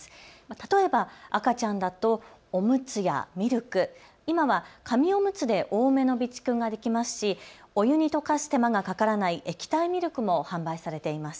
例えば赤ちゃんだとおむつやミルク、今は紙おむつで多めの備蓄ができますし、お湯に溶かす手間がかからない液体ミルクも販売されています。